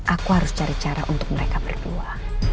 aku harus cari cara untuk mereka berdua